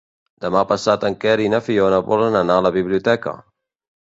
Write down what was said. Demà passat en Quer i na Fiona volen anar a la biblioteca.